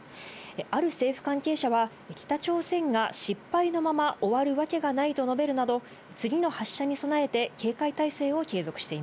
ある政府関係者は、北朝鮮が失敗のまま終わるわけがないと述べるなど、次の発射に備